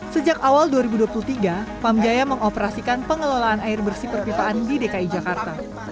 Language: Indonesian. sejak awal dua ribu dua puluh tiga pamjaya mengoperasikan pengelolaan air bersih perpipaan di dki jakarta